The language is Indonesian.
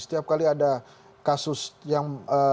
setiap kali ada kasus yang